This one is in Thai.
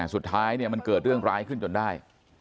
สุดท้ายมันเกิดเรื่องร้ายขึ้นจนได้